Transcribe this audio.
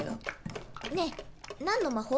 ねえ何の魔法？